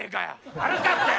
悪かったよ！